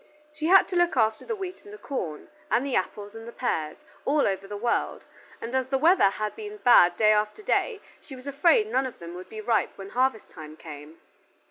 She had to look after the wheat and the corn, and the apples and the pears, all over the world, and as the weather had been bad day after day she was afraid none of them would be ripe when harvest time came.